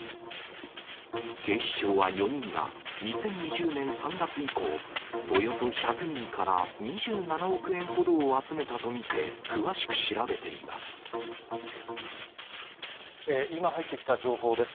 警視庁は４人が、２０２０年３月以降、およそ１００人から２７億円ほどを集めたと見て詳しく調べていま今入ってきた情報です。